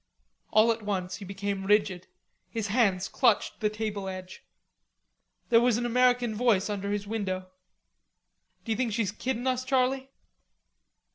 All at once he became rigid, his hands clutched the table edge. There was an American voice under his window: "D'you think she's kiddin' us, Charley?"